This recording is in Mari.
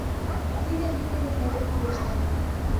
Тиде лӱм дене эре кугешнем.